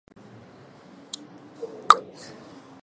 弗卢尔斯特是德国图林根州的一个市镇。